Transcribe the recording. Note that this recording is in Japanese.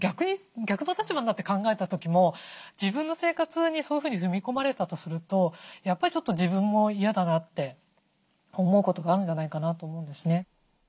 逆の立場になって考えた時も自分の生活にそういうふうに踏み込まれたとするとやっぱり自分も嫌だなって思うことがあるんじゃないかなと思うんですね。